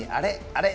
あれ？